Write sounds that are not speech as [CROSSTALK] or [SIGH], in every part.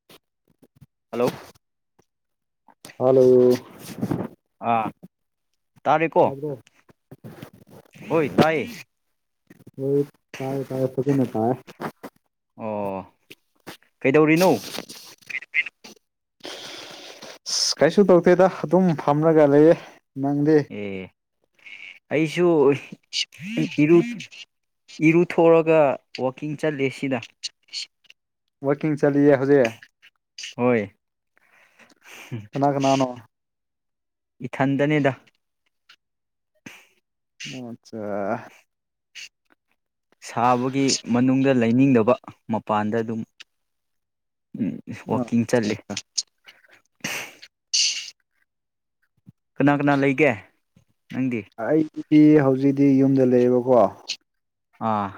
[INAUDIBLE] Hello hello ꯑꯥ ꯇꯥꯔꯦꯒꯣ ꯇꯥꯕ꯭ꯔꯣ ꯍꯣꯢ ꯇꯥꯏꯌꯦ ꯍꯣꯏ ꯇꯥꯌꯦ ꯇꯌꯦ ꯐꯖꯅ ꯇꯥꯢꯌꯦ ꯑꯣ ꯀꯩꯗꯧꯔꯤꯅꯣ ꯑꯁ ꯀꯩꯁꯨ ꯇꯧꯗꯦꯗ ꯑꯗꯨꯝ ꯐꯝꯂꯒ ꯂꯩꯌꯦ ꯅꯪꯗꯤ ꯑꯦ ꯑꯩꯁꯨ ꯏꯔꯨ ꯏꯔꯨꯊꯣꯛꯑꯒ ꯋꯥꯛꯀꯤꯡ ꯆꯠꯂꯤ ꯁꯤꯗ ꯋꯥꯛꯀꯤꯡ ꯆꯠꯂꯤꯌꯦ ꯍꯧꯖꯤꯛ ꯍꯣꯏ ꯀꯅ ꯀꯅꯥꯅꯣ ꯏꯊꯟꯗꯅꯤꯗ ꯑꯣ ꯑꯠꯆꯥ ꯁꯥꯕꯒꯤ ꯃꯅꯨꯡꯗ ꯂꯩꯅꯤꯡꯗꯕ ꯃꯄꯥꯟꯗ ꯑꯗꯨꯝ ꯑꯣ ꯋꯥꯛꯀꯤꯡ ꯆꯠꯂꯤ ꯀꯅꯥ ꯀꯅꯥ ꯂꯩꯒꯦ ꯅꯪꯗꯤ ꯑꯩꯗꯤ ꯍꯧꯖꯤꯛꯇꯤ ꯌꯨꯝꯗ ꯂꯩꯌꯦꯕꯀꯣ ꯑꯥ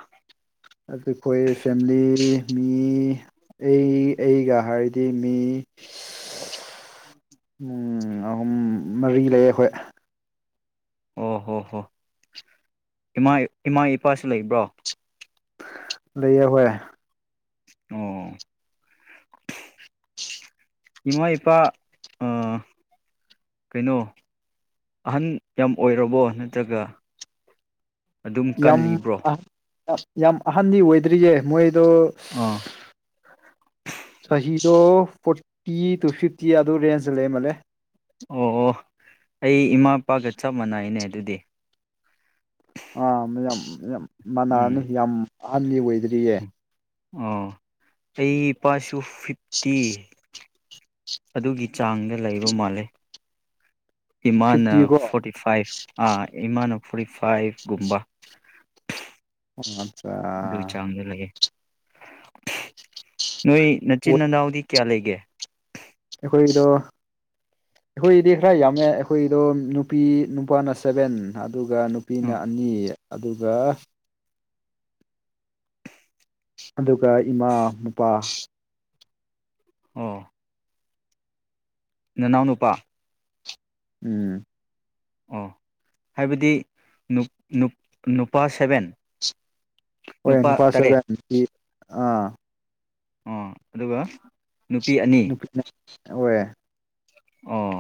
ꯑꯗꯨ ꯑꯩꯈꯣꯏ ꯐꯦꯃꯤꯂꯤ ꯃꯤ ꯑꯩ ꯑꯩꯒ ꯍꯥꯏꯔꯗꯤ ꯃꯤ [INAUDIBLE] ꯎꯝ ꯑꯍꯨꯝ ꯃꯔꯤ ꯂꯩꯌꯦ ꯑꯩꯈꯣꯏ ꯑꯣ ꯍꯣ ꯍꯣꯏ ꯏꯃꯥ ꯏꯃꯥ ꯏꯄꯥꯁꯨ ꯂꯩꯕ꯭ꯔꯣ ꯂꯩꯌꯦ ꯍꯣꯏ ꯑꯣ ꯏꯃꯥ ꯏꯄꯥ ꯑ ꯀꯩꯅꯣ ꯑꯍꯟ ꯌꯥꯝ ꯑꯣꯏꯔꯕꯣ ꯅꯠꯇ꯭ꯔꯒ ꯑꯗꯨꯝ ꯌꯥꯝ ꯀꯜꯂꯤꯕ꯭ꯔꯣ ꯌꯥꯝ ꯑꯍꯟꯗꯤ ꯑꯣꯏꯗ꯭ꯔꯤꯌꯦ ꯃꯣꯏꯗꯣ ꯑꯥ ꯆꯍꯤꯗꯣ ꯐꯣꯔꯇꯤ ꯇꯨ ꯐꯤꯐꯇꯤ ꯑꯗꯨ ꯔꯦꯟꯖꯑ ꯂꯩ ꯃꯥꯜꯂꯦ ꯑꯣ ꯑꯣ ꯑꯩ ꯏꯃꯥ ꯏꯄꯥꯒ ꯆꯞ ꯃꯥꯟꯅꯩꯅꯦ ꯑꯗꯨꯗꯤ ꯑꯥ ꯃꯌꯥꯝ ꯃꯅꯥꯅꯤ ꯎꯝ ꯌꯥꯝ ꯑꯍꯟꯗꯤ ꯑꯣꯏꯗ꯭ꯔꯤꯌꯦ ꯑꯣ ꯑꯩ ꯏꯄꯥꯁꯨ ꯐꯤꯐꯇꯤ ꯑꯗꯨꯒꯤ ꯆꯥꯡꯗ ꯂꯩꯕ ꯃꯥꯜꯂꯦ ꯏꯃꯥꯅ ꯐꯤꯐꯇꯤꯀꯣ ꯐꯣꯔꯇꯤ ꯐꯥꯏꯚ ꯑꯥ ꯏꯃꯥꯅ ꯐꯣꯔꯇꯤ ꯐꯥꯏꯚꯒꯨꯝꯕ ꯑꯆꯥ ꯆꯥꯡꯗ ꯑꯗꯨ ꯂꯩꯌꯦ ꯅꯣꯏ ꯅꯆꯤꯟ ꯅꯅꯥꯎꯗꯤ ꯀꯌꯥ ꯂꯩꯒꯦ ꯑꯩꯈꯣꯏꯔꯣ ꯑꯩꯈꯣꯏꯗꯤ ꯈꯔ ꯌꯥꯝꯃꯦ ꯑꯩꯈꯣꯏꯗꯣ ꯅꯨꯄꯤ ꯅꯨꯄꯥꯅ ꯁꯚꯦꯟ ꯑꯗꯨꯒ ꯑ ꯅꯨꯄꯤꯅ ꯑꯅꯤ ꯑꯗꯨꯒ ꯑꯗꯨꯒ ꯏꯃꯥ ꯃꯄꯥ ꯑꯣ ꯅꯅꯥꯎ ꯅꯨꯄꯥ ꯎꯝ ꯑꯣ ꯍꯥꯏꯕꯗꯤ ꯅꯨꯄꯥ ꯁꯦꯚꯦꯟ ꯍꯣꯢ ꯅꯨꯄꯥ ꯁꯦꯚꯦꯟ ꯑꯥ ꯑꯣ ꯑꯗꯨꯒ ꯅꯨꯄꯤ ꯑꯅꯤ ꯅꯨꯄꯤꯅ ꯍꯣꯏ ꯑꯣ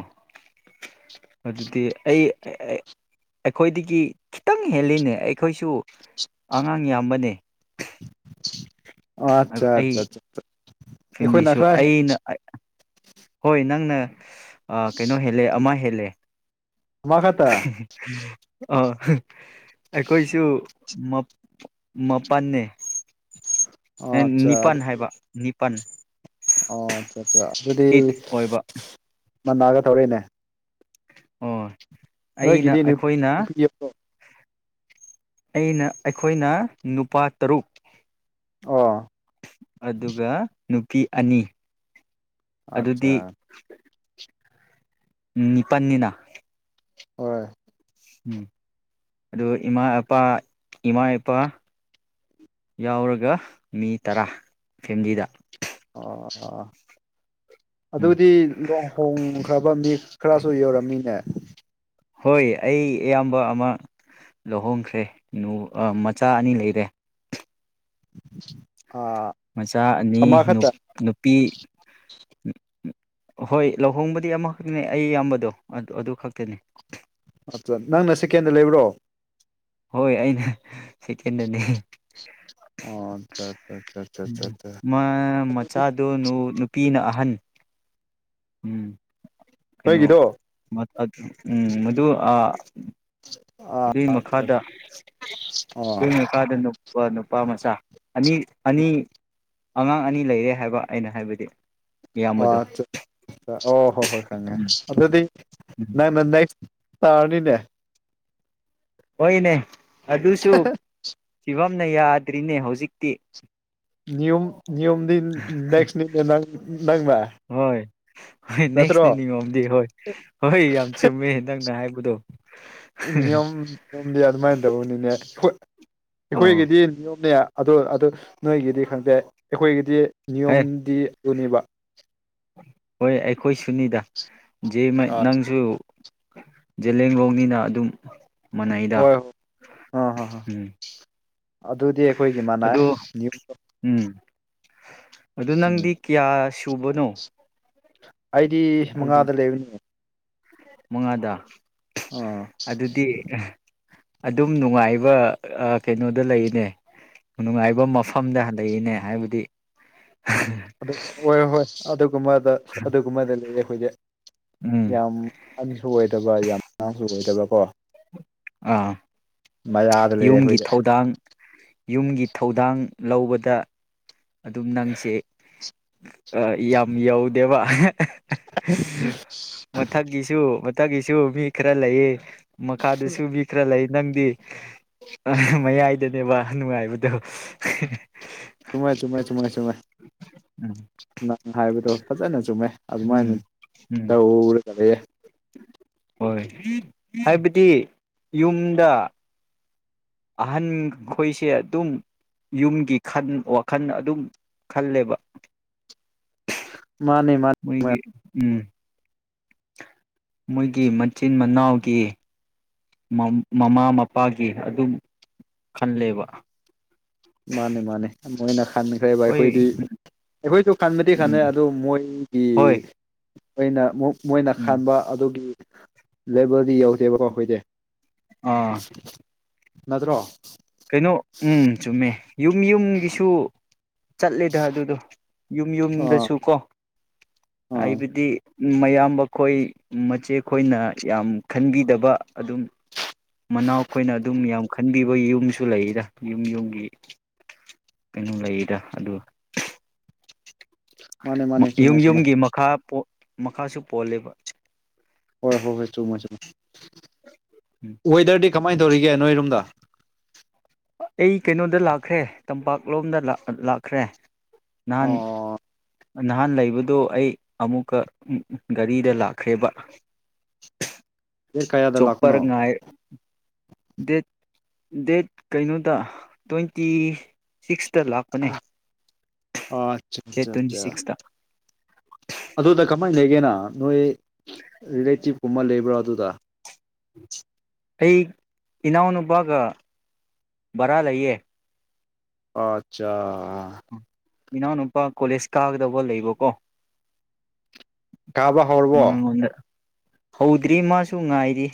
ꯑꯗꯨꯗꯤ ꯑꯩ ꯑꯩꯈꯣꯏꯗꯒꯤ ꯈꯤꯇꯪ ꯍꯦꯜꯂꯤꯅꯦ ꯑꯩꯈꯣꯏꯁꯨ ꯑꯉꯥꯡ ꯌꯥꯝꯕꯅꯦ ꯑꯣ ꯑꯠꯆꯥ ꯑꯠꯆꯥ ꯑꯩ ꯑꯩꯈꯣꯏꯅ ꯐꯦꯃꯤꯂꯤꯁꯨ ꯈꯔ ꯑꯩꯅ ꯍꯣꯏ ꯅꯪꯅ ꯀꯩꯅꯣ ꯍꯦꯜꯂꯦ ꯑꯃ ꯍꯦꯜꯂꯦ ꯑꯃ ꯈꯛꯇꯥ ꯑ ꯑꯩꯈꯣꯏꯁꯨ ꯃꯥꯄꯟꯅꯦ ꯑꯠꯆꯥ ꯅꯤꯄꯥꯜ ꯍꯥꯏꯕ ꯅꯤꯄꯥꯜ ꯑꯣ ꯑꯠ ꯑꯠꯆꯥ ꯑꯗꯨꯗꯤ ꯏꯠ ꯑꯣꯏꯕ ꯃꯥꯟꯅꯒꯗꯧꯔꯦꯅꯦ ꯑꯣ ꯑꯩꯅ ꯅꯣꯏꯒꯤꯗꯤ ꯑꯩꯈꯣꯏꯅ ꯅꯨꯄꯤ ꯑꯩꯅ ꯑꯩꯈꯣꯏꯅ ꯅꯨꯄꯥ ꯇꯔꯨꯛ ꯑꯣ ꯑꯗꯨꯒ ꯅꯨꯄꯤ ꯑꯅꯤ ꯑꯗꯨꯗꯤ ꯑꯠꯆꯥ ꯅꯤꯄꯥꯜꯅꯤꯅ ꯍꯣꯏ ꯎꯝ ꯑꯗꯨ ꯏꯃꯥ ꯏꯄꯥ ꯏꯃꯥ ꯏꯄꯥ ꯌꯥꯎꯔꯒ ꯃꯤ ꯇꯔꯥ ꯐꯦꯃꯤꯂꯤꯗ ꯑꯣ ꯎꯝ ꯑꯗꯨꯗꯤ ꯂꯣꯡ ꯍꯣꯡꯈ꯭ꯔꯕ ꯃꯤ ꯈꯔꯁꯨ ꯌꯧꯔꯝꯅꯤꯅꯦ ꯍꯣꯏ ꯑꯩ ꯑꯌꯥꯝꯕ ꯑꯃ ꯂꯧꯍꯣꯡꯈ꯭ꯔꯦꯅ ꯃꯆꯥ ꯑꯅꯤ ꯂꯩꯔꯦ ꯎꯝ [INAUDIBLE] ꯃꯆꯥ ꯑꯅꯤ ꯅꯨꯄꯤ ꯍꯣꯏ ꯂꯨꯍꯣꯡꯕꯗꯤ ꯑꯃꯈꯛꯇꯅꯦ ꯑꯩ ꯑꯌꯥꯝꯕꯗꯣ ꯑꯗꯨ ꯈꯛꯇꯅꯤ ꯑꯆꯥ ꯅꯪꯅ ꯁꯦꯀꯦꯟꯗ ꯂꯩꯕ꯭ꯔꯣ ꯍꯣꯏ ꯑꯩꯅ ꯁꯦꯀꯦꯟꯗꯅꯤ ꯑꯣ ꯑꯆꯥ ꯑꯆꯥ ꯎꯝ ꯃꯥ ꯃꯆꯥꯗꯨ ꯅꯨꯄꯤꯅ ꯑꯍꯟ ꯎꯝ ꯀꯩꯅꯣ ꯅꯣꯏꯒꯤꯗꯣ ꯎꯝ ꯃꯗꯨ ꯑꯥ ꯑꯥ ꯑꯗꯨꯏ ꯑꯠꯆꯥ ꯃꯈꯥꯗ ꯑꯣ ꯑꯗꯨ ꯅꯨꯥꯗ ꯅꯨꯄꯥ ꯅꯨꯄꯥ ꯃꯆꯥ ꯑꯅꯤ ꯑꯅꯤ ꯑꯉꯥꯡ ꯑꯅꯤ ꯂꯩꯔꯦ ꯍꯥꯏꯕ ꯑꯩꯅ ꯍꯥꯏꯕꯗꯤ ꯑꯣ ꯏꯌꯥꯝꯕꯗꯣ ꯑ ꯑꯣ ꯍꯣ ꯍꯣꯏ ꯈꯪꯉꯦ ꯑꯗꯨꯗꯤ ꯎꯝ ꯅꯪꯅ ꯅꯦꯛꯁ ꯇꯥꯔꯅꯤꯅꯦ ꯍꯣꯏꯅꯦ ꯑꯗꯨꯁꯨ ꯐꯤꯕꯝꯅ ꯌꯥꯗ꯭ꯔꯤꯅꯦ ꯍꯧꯖꯤꯛꯇꯤ ꯅꯤꯌꯣꯝ ꯅꯤꯌꯣꯝꯗꯤ ꯅꯦꯛꯁꯅꯤꯅꯦ ꯅꯪ ꯅꯪꯅ ꯍꯣꯏ ꯍꯣꯏ ꯅꯠꯇ꯭ꯔꯣ ꯅꯦꯛꯁꯅꯦ ꯅꯤꯌꯣꯝꯗꯤ ꯍꯣꯏ ꯍꯣꯏ ꯌꯥꯝ ꯆꯨꯝꯃꯦ ꯅꯪꯅ ꯍꯥꯏꯕꯗꯣ ꯅꯤꯌꯣꯝ ꯅꯤꯌꯣꯝꯗꯤ ꯑꯗꯨꯃꯥꯏꯅ ꯇꯧꯕꯅꯤꯅꯦ ꯑꯣ ꯑꯩꯈꯣꯏꯒꯤꯗꯤ ꯅꯤꯌꯣꯝꯅꯦ ꯑꯗ ꯑꯗꯨ ꯅꯣꯏꯒꯤꯗꯤ ꯈꯪꯗꯦ ꯑꯩꯈꯣꯏꯒꯤꯗꯤ ꯍꯦ ꯅꯤꯌꯣꯝꯗꯤ ꯑꯗꯨꯅꯦꯕ ꯍꯣꯏ ꯑꯩꯈꯣꯏ ꯁꯨꯅꯤꯗ ꯑ ꯅꯪꯁꯨ ꯖꯤꯂꯤꯌꯥꯟꯂꯣꯡꯅꯤꯅ ꯑꯗꯨꯝ ꯃꯅꯩꯗ ꯍꯣꯏ ꯍꯣꯏ ꯑꯥ ꯍꯥ ꯍꯥ ꯎꯝ ꯑꯗꯨꯗꯤ ꯑꯩꯈꯣꯏꯒꯤ ꯃꯥꯅꯨ ꯑꯗꯣ ꯎꯝ ꯑꯗꯨ ꯅꯪꯗꯤ ꯎꯝ ꯀꯌꯥ ꯁꯨꯕꯅꯣ ꯑꯩꯗꯤ ꯍꯥꯏꯕꯗꯤ ꯃꯉꯥꯗ ꯂꯩꯕꯅꯦ ꯃꯉꯥꯗ ꯑꯥ ꯑꯗꯨꯗꯤ ꯑꯗꯨꯝ ꯅꯨꯡꯉꯥꯏꯕ ꯀꯩꯅꯣꯗ ꯂꯩꯅꯦ ꯅꯨꯡꯉꯥꯏꯕ ꯃꯐꯝꯗ ꯂꯩꯌꯦꯅꯦ ꯍꯥꯏꯕꯗꯤ ꯍꯣꯏ ꯍꯣꯏ ꯑꯗꯨꯒꯨꯝꯕꯗ ꯑꯗꯨꯒꯨꯝꯕꯗ ꯂꯩꯌꯦ ꯑꯩꯈꯣꯏꯗꯤ ꯎꯝ ꯌꯥꯝ ꯑꯍꯥꯟꯁꯨ ꯑꯣꯏꯗꯕ ꯌꯥꯝ ꯑꯉꯥꯡꯁꯨ ꯑꯣꯏꯗꯕꯀꯣ ꯑꯥ ꯃꯌꯥꯗ ꯂꯩꯌꯦ ꯌꯨꯝꯒꯤ ꯑꯩꯈꯣꯏꯗꯤ ꯊꯧꯗꯥꯡ ꯌꯨꯝꯒꯤ ꯊꯧꯗꯥꯡ ꯂꯧꯕꯗ ꯑꯗꯨꯝ ꯅꯪꯁꯦ ꯌꯥꯝ ꯌꯧꯗꯦꯕ ꯑ [INAUDIBLE] ꯃꯊꯛꯀꯤꯁꯨ ꯃꯊꯛꯀꯤꯁꯨ ꯃꯤ ꯈꯔ ꯂꯩꯌꯦ ꯃꯈꯥꯗ ꯁꯨꯕꯤ ꯈ꯭ꯔ ꯂꯩ ꯅꯪꯗꯤ ꯃꯌꯥꯏꯗꯅꯦ ꯋꯥ ꯅꯨꯡꯉꯥꯏꯕꯗꯣ ꯆꯨꯝꯃꯦ ꯆꯨꯝꯃꯦ ꯆꯨꯝꯃꯦ ꯆꯨꯝꯃꯦ ꯎꯝ ꯅꯪ ꯍꯥꯏꯕꯗꯣ ꯐꯖꯅ ꯆꯨꯝꯃꯦ ꯑꯗꯨꯃꯥꯏꯅ ꯎꯝ ꯎꯝ ꯇꯧꯔꯒ ꯂꯩꯌꯦ ꯍꯣꯏ ꯍꯥꯏꯕꯗꯤ ꯌꯨꯝꯗ ꯑꯍꯟ ꯈꯣꯏꯁꯦ ꯑꯗꯨꯝ ꯌꯨꯝꯒꯤ ꯋꯥꯈꯜ ꯑꯗꯨꯝ ꯈꯜꯂꯦꯕ ꯃꯥꯅꯦ ꯃꯥꯅꯦ ꯃꯣꯏꯒꯤ ꯎꯝ ꯃꯣꯏꯒꯤ ꯃꯆꯤꯟ ꯃꯅꯥꯎꯒꯤ ꯃꯃꯥ ꯃꯄꯥꯒꯤ ꯑꯗꯨꯝ ꯈꯜꯂꯦꯕ ꯃꯥꯅꯦ ꯃꯥꯅꯦ ꯃꯣꯏꯅ ꯈꯟꯈ꯭ꯔꯦꯕ ꯑꯩꯈꯣꯏꯗꯤ ꯍꯣꯏ ꯑꯩꯈꯣꯏꯁꯨ ꯈꯟꯕꯗꯤ ꯈꯜꯂꯦ ꯎꯝ ꯑꯗꯨ ꯃꯣꯏꯒꯤ ꯍꯣꯏ ꯃꯣꯏꯅ ꯑꯃꯨꯛ ꯃꯣꯏꯅ ꯎꯝ ꯈꯥꯟꯕ ꯑꯗꯨꯒꯤ ꯂꯦꯕꯦꯜꯗꯤ ꯌꯧꯗꯦꯕꯀꯣ ꯑꯩꯈꯣꯏꯗꯤ ꯑꯥ ꯅꯠꯇ꯭ꯔꯣ ꯀꯩꯅꯣ ꯎꯝ ꯆꯨꯝꯃꯦ ꯌꯨꯝ ꯌꯨꯝꯒꯤꯁꯨ ꯆꯠꯂꯦꯗ ꯑꯗꯨꯗꯣ ꯌꯨꯝ ꯑꯥ ꯌꯨꯝꯗꯁꯨ ꯀꯣ ꯑꯥ ꯍꯥꯏꯕꯗꯤ ꯃꯌꯥꯝꯕ ꯈꯣꯏ ꯃꯆꯦ ꯑꯩꯈꯣꯏꯅ ꯌꯥꯝ ꯈꯟꯕꯤꯗꯕ ꯑꯗꯨꯝ ꯃꯅꯥꯎ ꯑꯩꯈꯣꯏꯅ ꯑꯗꯨꯝ ꯌꯥꯝ ꯈꯟꯕꯤꯕ ꯌꯨꯝ__ ꯑꯗꯨꯨ ꯂꯩꯔꯤꯗ ꯌꯨꯝ ꯌꯨꯝꯒꯤ ꯀꯩꯅꯣ ꯂꯩꯔꯤꯗ ꯑꯗꯨ ꯃꯥꯅꯦ ꯃꯥꯅꯦ ꯆꯨꯝꯃꯦ ꯌꯨꯝ ꯆꯨꯝꯃꯦ ꯌꯨꯝꯒꯤ ꯃꯈꯥ ꯃꯈꯥꯁꯨ ꯄꯣꯜꯂꯦꯕ ꯍꯣꯏ ꯍꯣꯏ ꯍꯣꯏ ꯆꯨꯝꯃꯣ ꯆꯨꯝꯃꯣꯏ ꯎꯝ ꯋꯦꯗꯔꯗꯤ ꯀꯃꯥꯏꯅ ꯇꯧꯔꯤꯒꯦ ꯅꯣꯏꯔꯣꯝꯗ ꯑꯩ ꯀꯩꯅꯣꯗ ꯂꯥꯛꯈ꯭ꯔꯦ ꯇꯝꯄꯥꯛꯂꯣꯝꯗ ꯂꯥꯛꯈ꯭ꯔꯦ ꯅꯍꯥꯟ ꯑꯣ ꯅꯍꯥꯟ ꯂꯩꯕꯗꯣ ꯑꯩ ꯑꯃꯨꯛꯀ ꯒꯥꯔꯤꯗ ꯂꯥꯛꯈ꯭ꯔꯦꯕ ꯗꯦꯠ ꯀꯌꯥꯗ ꯆꯣꯞꯄꯔ ꯂꯥꯛꯄꯅꯣ ꯉꯥꯏ ꯗꯦꯠ ꯗꯦꯠ ꯀꯩꯅꯣꯗ ꯇ꯭ꯋꯦꯟꯇꯤ ꯁꯤꯛꯁꯇ ꯂꯥꯛ__ ꯄꯅꯦ ꯑꯠꯆꯥ ꯗꯦꯠ ꯑꯠꯆꯥ ꯇ꯭ꯋꯦꯟꯇꯤ ꯑꯠꯆꯥ ꯁꯤꯛꯁꯇ ꯑꯗꯨꯗ ꯀꯃꯥꯏꯅ ꯂꯩꯒꯦꯅ ꯅꯣꯏ ꯔꯤꯂꯦꯇꯤꯞꯀꯨꯝꯕ ꯂꯩꯕ꯭ꯔꯣ ꯑꯗꯨꯗ ꯑꯩ ꯏꯅꯥꯎꯅꯨꯄꯥꯒ ꯕꯔꯥ ꯂꯩꯌꯦ ꯑꯆꯥ ꯏꯅꯥꯎꯅꯨꯄꯥ ꯀꯣꯂꯦꯖ ꯀꯥꯒꯗꯧꯕ ꯂꯩꯕꯀꯣ ꯀꯥꯕ ꯍꯧꯔꯕꯣ ꯃꯥꯥꯉꯣꯟꯗ ꯍꯧꯗ꯭ꯔꯤ ꯃꯥꯁꯨ ꯉꯥꯏꯔꯤ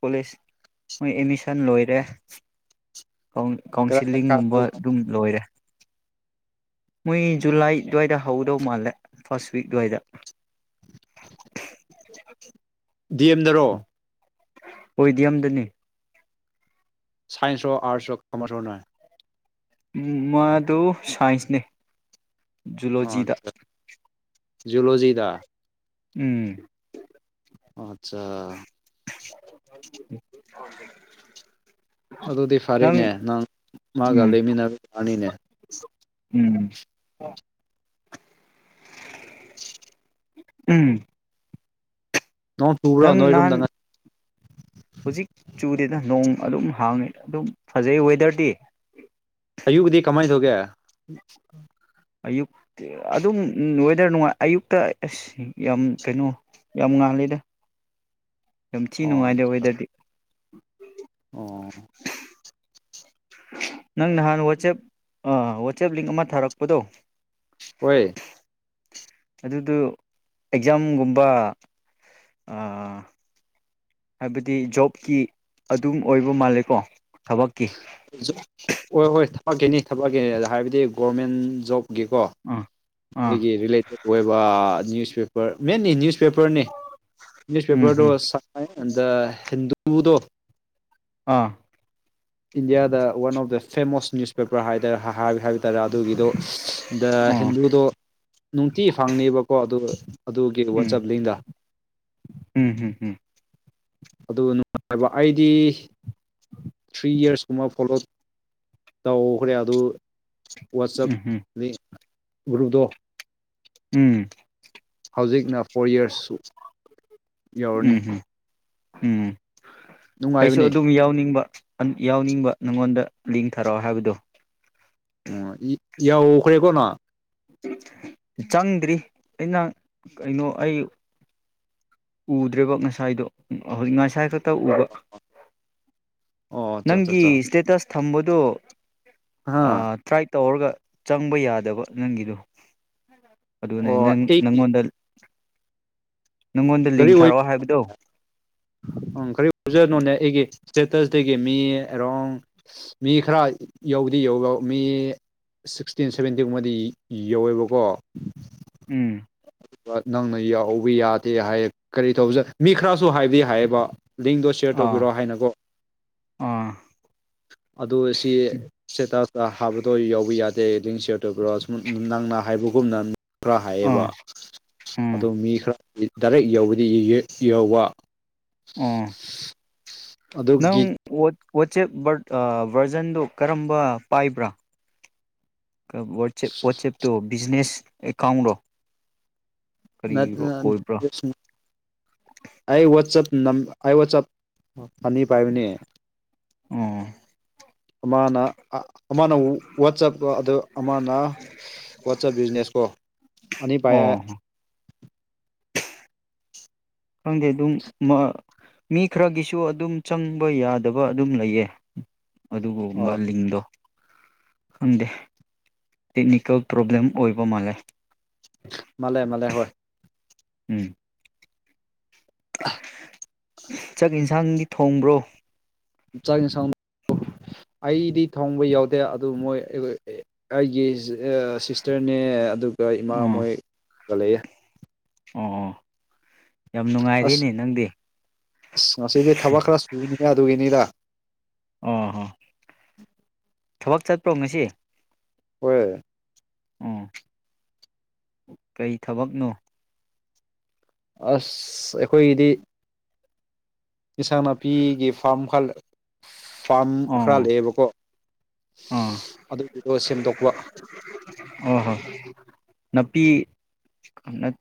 ꯀꯣꯂꯦꯖ ꯃꯣꯏ ꯑꯦꯠꯃꯤꯁꯟ ꯂꯣꯏꯔꯦ ꯀꯗꯥꯏꯗ ꯀꯥꯎꯟꯁꯤꯂꯤꯡꯒꯨꯝꯕ ꯀꯥꯗꯧꯕ ꯑꯗꯨꯝ ꯂꯣꯏꯔꯦ ꯃꯣꯏ ꯖꯨꯂꯥꯏ ꯑꯗꯨꯋꯥꯏꯗ ꯍꯧꯗꯧ ꯃꯥꯜꯂꯦ ꯐꯥꯔꯁ ꯋꯤꯛ ꯑꯗꯨꯋꯥꯏꯗ ꯗꯤ ꯑꯦꯝꯗꯔꯣ ꯍꯣꯢ ꯗꯤ ꯑꯦꯝꯗꯅꯤ ꯁꯥꯏꯟꯁꯣ ꯑꯔꯠꯁ ꯑꯣ ꯀꯃꯔꯁ ꯔꯣ ꯅꯣꯢ ꯃꯥꯗꯨ ꯁꯥꯏꯟꯁꯅꯦ ꯖꯨꯂꯣꯖꯤꯗ ꯑꯆꯥ ꯖꯨꯂꯣꯖꯤꯗ ꯎꯝ ꯑꯠꯆꯥ ꯑꯗꯨꯗꯤ [INAUDIBLE] ꯅꯪ ꯐꯔꯦꯅꯦ ꯎꯝ ꯃꯥꯒ ꯂꯩꯃꯤꯟꯅꯕ ꯌꯥꯅꯤꯅꯦ ꯎꯝ ꯎꯝ ꯅꯣꯡ ꯆꯨꯕ꯭ꯔꯣ ꯅꯪ ꯅꯍꯥꯟ ꯅꯣꯏꯔꯣꯝꯗ ꯍꯧꯖꯤꯛ ꯆꯨꯗꯦꯗ ꯅꯣꯡ ꯑꯗꯨꯝ ꯍꯥꯡꯉꯤ ꯑꯗꯨꯝ ꯐꯖꯩ ꯋꯦꯗꯔꯗꯤ ꯑꯌꯨꯛꯗꯤ ꯀꯃꯥꯏꯅ ꯇꯧꯒꯦ ꯑꯌꯨꯛꯇ ꯑꯗꯨꯝ ꯋꯦꯗꯔ ꯅꯨꯡꯉꯥꯏ ꯑꯌꯨꯛꯇ ꯑꯁ ꯌꯥꯝ ꯀꯩꯅꯣ ꯌꯥꯝ ꯉꯜꯂꯤꯗ ꯌꯥꯝ ꯊꯤ ꯑꯣ ꯅꯨꯡꯉꯥꯏꯗ ꯋꯦꯗꯔꯗꯤ ꯑꯣ ꯅꯪ ꯅꯍꯥꯟ ꯋꯥꯆꯦꯞ ꯋꯥꯆꯦꯞ ꯂꯤꯡ ꯑꯃ ꯊꯥꯔꯛꯄꯗꯣ ꯍꯣꯏ ꯑꯗꯨꯗꯨ ꯑꯦꯛꯖꯥꯝꯒꯨꯝꯕ ꯍꯥꯏꯕꯗꯤ ꯖꯣꯕꯀꯤ ꯑꯗꯨꯝ ꯑꯣꯏꯕ ꯃꯥꯜꯂꯦꯀꯣ ꯊꯕꯛꯀꯤ ꯍꯣꯏ ꯍꯣꯏ ꯊꯕꯛꯀꯤꯅꯤ ꯊꯕꯛꯀꯅꯤ ꯑꯗꯣ ꯍꯥꯏꯕꯗꯤ ꯒꯣꯔꯃꯦꯟ ꯖꯣꯕꯀꯤꯀꯣ ꯎꯝ ꯑꯩꯈꯣꯏꯒꯤ ꯔꯤꯂꯦꯇꯦꯠ ꯑꯣꯏꯕ ꯅ꯭ꯌꯨꯁꯄꯦꯄꯔ ꯃꯦꯟꯂꯤ ꯅ꯭ꯌꯨꯁ ꯅ꯭ꯌꯨꯁꯄꯦꯄꯔꯅꯤ ꯎꯝ ꯅ꯭ꯌꯨꯁꯄꯦꯄꯔꯗꯣ ꯎꯝ ꯁꯥꯉꯥꯢ ꯑꯦꯟ ꯍꯤꯟꯗꯨꯗꯣ ꯑꯥ ꯏꯟꯗꯤꯌꯥꯗ one of the famous newspaper ꯍꯥꯏꯗꯨ ꯍꯥꯏ ꯍꯥꯏꯕ ꯇꯥꯔꯦ ꯑꯗꯨꯒꯤꯗꯣ ꯗ ꯑꯥ ꯑꯗꯨꯗꯣ ꯅꯨꯡꯇꯤ ꯐꯪꯅꯦꯕꯀꯣ ꯑꯗꯨ ꯑꯗꯨꯒꯤ ꯎꯝ ꯋꯥꯆꯞ ꯂꯤꯡꯗ ꯎꯝ ꯎꯝ ꯎꯝ ꯑꯗꯨ ꯅꯨꯡꯉꯥꯏꯕ ꯑꯩꯗꯤ ꯊ꯭ꯔꯤ ꯏꯌꯔꯁ ꯀꯨꯝꯕ ꯐꯣꯂꯣ ꯇꯧꯈ꯭ꯔꯦ ꯑꯗꯨ ꯋꯥꯆꯞ ꯎꯝ ꯔꯨꯗꯣ [UNINTELLIGIBLE] ꯎꯝ ꯍꯧꯖꯤꯛꯅ ꯐꯣꯔ ꯢꯌꯔꯁꯁꯨ ꯌꯧꯔꯅꯤ ꯎꯝ ꯍꯝ ꯎꯝ ꯑꯩꯁꯨ ꯅꯨꯡꯉꯥꯏꯕꯅꯦ ꯑꯗꯨꯝ ꯌꯥꯎꯅꯤꯡꯕ ꯌꯥꯎꯅꯤꯡꯕ ꯅꯪꯉꯣꯟꯗ ꯂꯤꯡ ꯊꯥꯔꯛꯑꯣ ꯍꯥꯏꯕꯗꯣ ꯑꯣ ꯌꯥꯎꯈ꯭ꯔꯦꯀꯣ ꯅꯪ ꯆꯪꯗ꯭ꯔꯤ ꯑꯩꯅ ꯀꯩꯅꯣ ꯑꯩ ꯎꯗ꯭ꯔꯦꯕ ꯉꯁꯥꯏꯗꯣ ꯍꯧꯖꯤꯛ ꯉꯁꯥꯏ ꯈꯛ ꯇ ꯎꯕ ꯑꯣ ꯑꯠꯆꯥ ꯑꯠꯆꯥ ꯅꯪꯒꯤ ꯑꯠꯆꯥ ꯏꯁꯇꯦꯇꯁ ꯊꯝꯕꯗꯣ ꯑ ꯇ꯭ꯔꯥꯏ ꯇꯧꯔꯒ ꯆꯪꯕ ꯌꯥꯗꯕ ꯅꯪꯒꯤꯗꯣ ꯑꯗꯨꯅꯦ ꯑꯣ ꯅꯪ ꯑꯩ ꯅꯪꯉꯣꯟꯗ ꯅꯪꯉꯣꯟꯗ ꯀꯔꯤ ꯂꯤꯡ ꯊꯥꯔꯛꯑꯣ ꯑꯣꯏꯕ ꯍꯥꯏꯕꯗꯣ ꯎꯝ ꯀꯔꯤ ꯑꯣꯏꯖꯠꯅꯣꯅꯦ ꯑꯩꯒꯤ ꯏꯁꯇꯦꯇꯁꯗꯒꯤ ꯃꯤ ꯑꯦꯔꯥꯡ ꯃꯤ ꯈꯔ ꯌꯧꯗꯤ ꯌꯧꯕ ꯃꯤ ꯁꯤꯛꯁꯇꯤꯟ ꯁꯚꯦꯟꯇꯤꯒꯨꯝꯕꯗꯤ ꯌꯧꯋꯦꯕꯀꯣ ꯎꯝ ꯅꯪꯅ ꯌꯥꯎꯕ ꯌꯥꯗꯦ ꯍꯥꯏ ꯀꯔꯤ ꯇꯧꯕꯅꯣ ꯃꯤ ꯈꯔꯁꯨ ꯍꯥꯏꯗꯤ ꯍꯥꯏꯌꯦꯕ ꯂꯤꯡꯗꯣ ꯁꯤꯌꯔ ꯑꯥ ꯇꯧꯕꯤꯔꯛꯑꯣ ꯍꯥꯏꯅꯀꯣ ꯑꯥ ꯑꯗꯨ ꯑꯁꯤ ꯁꯇꯦꯇꯥꯁ ꯍꯥꯞꯕꯗꯣ ꯌꯥꯎꯕ ꯌꯥꯗꯦ ꯂꯤꯡꯁꯤꯌꯔꯗ ꯇꯧꯕꯤꯔꯣ ꯅꯪꯅ ꯍꯥꯏꯕꯒꯨꯝꯅ ꯈꯔ ꯍꯥꯏꯌꯦꯕ ꯑꯥ ꯑꯗꯣ ꯎꯝ ꯃꯤ ꯈꯔ ꯗꯥꯏꯔꯦꯛ ꯌꯧꯕꯗꯤ ꯌꯧꯕ ꯑꯥ ꯅꯪ ꯑꯗꯨꯒꯤ ꯋꯥꯆꯦꯞ ꯚꯔꯖꯟꯗꯨ ꯀꯔꯝꯕ ꯄꯥꯏꯕ꯭ꯔꯥ ꯋꯥꯠꯆꯦꯞ ꯇꯣ ꯕꯤꯖꯤꯅꯦꯁ ꯑꯦꯀꯥꯎꯟꯔꯣ ꯅꯠ ꯀꯔꯤꯔꯣ ꯅꯠ ꯑꯣꯏꯕ꯭ꯔꯥ [UNINTELLIGIBLE] ꯑꯩ ꯋꯥꯆꯞ ꯅꯝꯕꯔ ꯑꯩ ꯋꯥꯆꯞ ꯑꯅꯤ ꯄꯥꯏꯕꯅꯦ ꯑꯣ ꯑꯃꯅ ꯑꯃꯅ ꯋꯥꯆꯞ ꯀꯣ ꯑ ꯑꯃꯅ ꯋꯥꯆꯞ ꯕꯤꯖꯤꯅꯦꯁ ꯀꯣ ꯑꯅꯤ ꯄꯥꯏ ꯌꯥꯏ ꯑꯣ ꯈꯪꯗꯦ ꯑꯗꯨꯝ ꯃꯤ ꯈꯔꯒꯤꯁꯨ ꯑꯗꯨꯝ ꯆꯪꯕ ꯌꯥꯗꯕ ꯑꯗꯨꯝ ꯂꯩꯌꯦ꯫ ꯑꯗꯨꯒꯨꯝꯕ ꯑꯣ ꯂꯤꯡꯛꯗꯣ ꯈꯪꯗꯦ ꯇꯦꯛꯅꯤꯀꯦꯜ ꯄ꯭ꯔꯣꯕ꯭ꯂꯦꯝ ꯑꯣꯏꯕ ꯃꯥꯜꯂꯦ ꯃꯥꯂꯦ ꯃꯥꯂꯦ ꯍꯣꯏ ꯎꯝ꯫ ꯆꯥꯛ ꯌꯦꯟꯁꯥꯡꯗꯤ ꯊꯣꯡꯕ꯭ꯔꯣ ꯆꯥꯛ ꯌꯦꯟꯁꯥꯡ ꯔꫭ ꯑꯩꯗꯤ ꯊꯣꯡꯕ ꯌꯥꯎꯗꯦ ꯑꯗꯨ ꯃꯣꯏ ꯑꯩ ꯑꯥ ꯑꯦ ꯑꯩꯒꯤ ꯁꯤꯁꯇꯔꯅꯦ ꯑꯗꯨꯒ ꯏꯃꯥ ꯑꯣ ꯃꯣꯏ ꯒꯂꯩꯑꯦ ꯑꯣ ꯌꯥꯝ ꯑꯁ ꯅꯨꯡꯉꯥꯏꯔꯤꯅꯦ ꯅꯪꯗꯤ ꯑꯁ ꯉꯁꯤꯗꯤ ꯊꯕꯛ ꯈꯔ ꯁꯨꯕꯅꯤꯍꯦ ꯑꯗꯨꯒꯤꯅꯤꯗ ꯑꯣ ꯍꯣ ꯊꯕꯛ ꯆꯠꯄ꯭ꯔꯣ ꯉꯁꯤ ꯍꯣꯏ ꯑꯣ ꯀꯩ ꯊꯕꯛꯅꯣ ꯑꯁ ꯑꯩꯈꯣꯏꯒꯤꯗꯤ ꯏꯟꯁꯥꯡ ꯅꯥꯄꯤꯒꯤ ꯐꯥꯔꯝ ꯈꯜ ꯐꯥꯔꯝ ꯈꯔ ꯑꯣ ꯂꯩꯑꯦꯕꯀꯣ ꯑꯗꯨꯒꯤꯗꯣ ꯁꯦꯝꯗꯣꯛꯄ ꯑꫭ ꯍꯣ ꯅꯥꯄꯤ ꯎꯝ ꯅꯠ